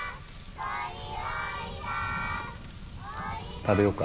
食べようか。